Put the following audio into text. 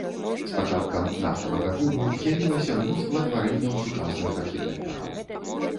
З пачаткам нафтавага буму з'явілася мноства тварэнняў сучасных архітэктараў.